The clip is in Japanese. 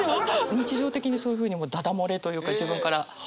日常的にそういうふうにだだ漏れというか自分から。